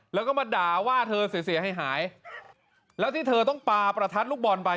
แล้วก็มาด่าว่าเธอเสียหายหายแล้วที่เธอต้องปลาประทัดลูกบอลไป